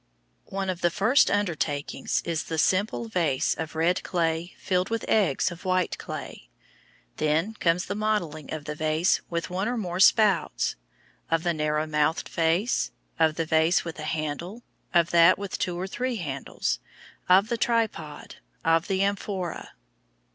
One of the first undertakings is the simple vase of red clay filled with eggs of white clay; then comes the modelling of the vase with one or more spouts, of the narrow mouthed vase, of the vase with a handle, of that with two or three handles, of the tripod, of the amphora.